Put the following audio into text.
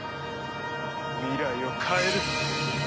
未来を変える。